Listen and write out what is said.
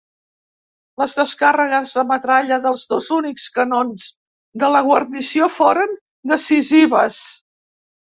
Les descàrregues de metralla dels dos únics canons de la guarnició foren decisives.